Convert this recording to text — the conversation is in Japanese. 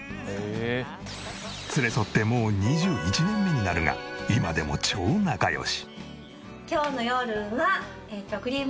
連れ添ってもう２１年目になるが今でも超仲良し。